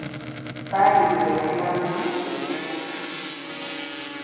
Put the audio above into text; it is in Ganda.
Badru lwe yali amugulidde mu kibuga.